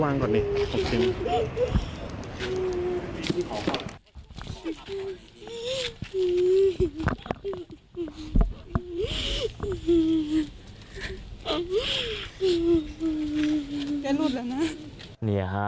เนี่ยฮะ